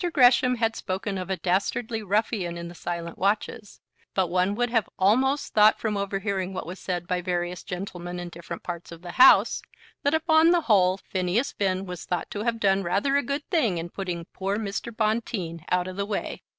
Gresham had spoken of a "dastardly ruffian in the silent watches," but one would have almost thought from overhearing what was said by various gentlemen in different parts of the House that upon the whole Phineas Finn was thought to have done rather a good thing in putting poor Mr. Bonteen out of the way.